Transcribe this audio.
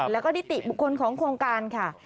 แล้วก็นิติบุคคลของโครงการค่ะ